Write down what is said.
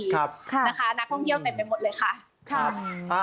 เงียบ๒นาทีนะคะพ่อเที่ยวเต็มไปหมดเลยค่ะ